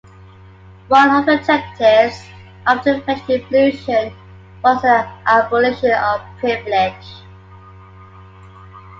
One of the objectives of the French Revolution was the abolition of privilege.